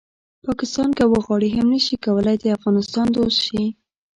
پاکستان که وغواړي هم نه شي کولی د افغانستان دوست شي